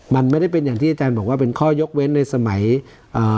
มันไม่ได้เป็นอย่างที่อาจารย์บอกว่าเป็นข้อยกเว้นในสมัยเอ่อ